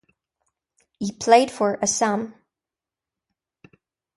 He played for Assam.